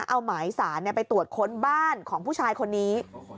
เอาหมายสารไปตรวจค้นบ้านของผู้ชายคนนี้